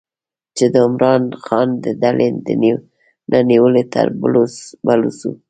چې د عمران خان د ډلې نه نیولې تر بلوڅو